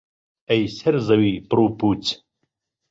ئەی سەر زەوی پڕ و پووچ